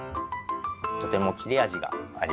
とても切れ味がありますね。